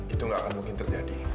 itu nggak akan mungkin terjadi